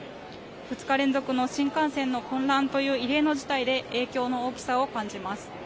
２日連続の新幹線の混乱という異例の事態で影響の大きさを感じます。